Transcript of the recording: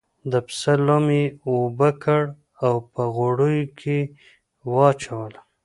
د پسه لم یې اوبه کړل او په غوړیو کې یې واچول.